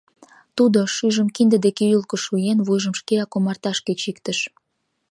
Тудо, шӱйжым кинде деке ӱлкӧ шуен, вуйжым шкеак омарташке чиктыш.